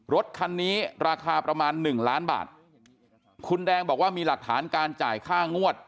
รถคันนี้ราคาประมาณหนึ่งล้านบาทคุณแดงบอกว่ามีหลักฐานการจ่ายค่างวด